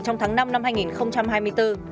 trong tháng năm năm hai nghìn hai mươi bốn